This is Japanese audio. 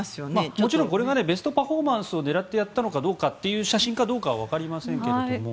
もちろんこれがベストパフォーマンスを狙ってやった時の写真かどうかわかりませんが。